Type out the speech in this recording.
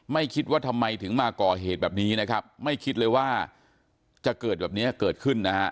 ไม่คิดว่าทำไมถึงมาก่อเหตุแบบนี้นะครับไม่คิดเลยว่าจะเกิดแบบนี้เกิดขึ้นนะฮะ